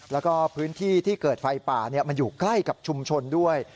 แล้วก็พื้นที่ที่เกิดไฟป่ามันอยู่ใกล้กับชุมชนด้วย